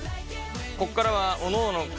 ここからはおのおの感性